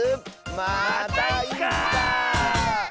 またいつか！